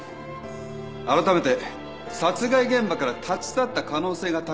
あらためて殺害現場から立ち去った可能性が高い